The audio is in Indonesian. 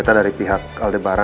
ternyata dari pihak aldebaran